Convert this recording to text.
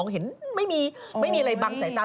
เห็นไม่มีอะไรบังตรงนั้น